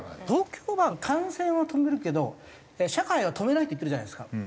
東京は感染は止めるけど社会は止めないって言ってるじゃないですか。